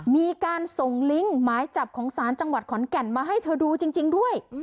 มีการส่งลิงก์หมายจับของศาลจังหวัดขอนแก่นมาให้เธอดูจริงด้วย